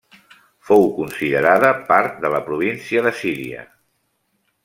Fou considerada part de la província de Síria.